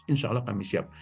insya allah kami siap